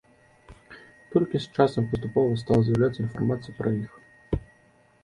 Толькі з часам паступова стала з'яўляцца і інфармацыя пра іх.